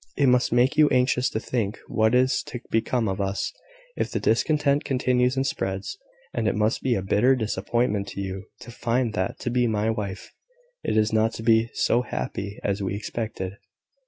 It must make you anxious to think what is to become of us, if the discontent continues and spreads: and it must be a bitter disappointment to you to find that to be my wife is not to be so happy as we expected.